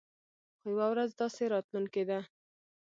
خو يوه ورځ داسې راتلونکې ده.